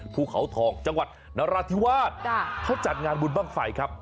ภูเขาทองจังหวัดนราธิวาสเขาจัดงานบุญบ้างไฟครับ